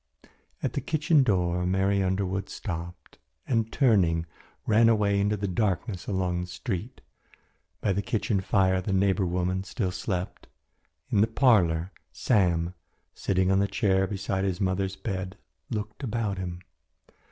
At the kitchen door Mary Underwood stopped, and, turning, ran away into the darkness along the street. By the kitchen fire the neighbour woman still slept. In the parlour Sam, sitting on the chair beside his mother's bed, looked about him.